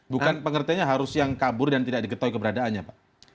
bukan pengertiannya harus yang kabur dan tidak diketahui keberadaannya pak